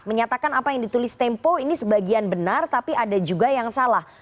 menyatakan apa yang ditulis tempo ini sebagian benar tapi ada juga yang salah